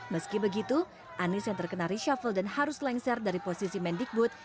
meski begitu anies yang terkena reshuffle dan harus lengser dari posisi mendikbud